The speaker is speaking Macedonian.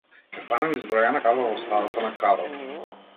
Ќе станам избројана крава во стадото на краварот.